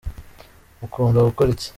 Mukunda gukora iki?